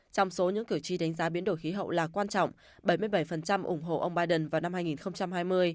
trong số những cử tri đánh giá biến đổi khí hậu là quan trọng bảy mươi bảy ủng hộ ông biden vào năm hai nghìn hai mươi